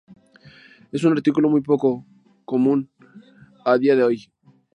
Es un artículo muy poco común a día de hoy.